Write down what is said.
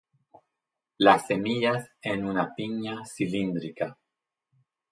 Las semillas en una piña cilíndrica.